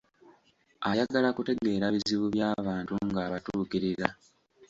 Ayagala kutegeera bizibu by'abantu ng'abatuukirira.